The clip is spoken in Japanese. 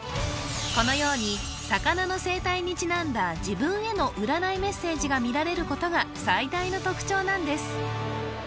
このように魚の生態にちなんだ自分への占いメッセージが見られることが最大の特徴なんです